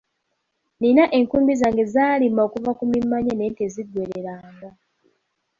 Nina enkumbi zange zaalima okuva ku mimaanya naye teziggwereranga.